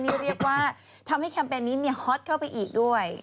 นี่เรียกว่าทำให้แคมเปญนี้ฮอตเข้าไปอีกด้วย